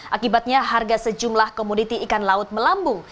akibatnya harga sejumlah komoditi ikan laut melambung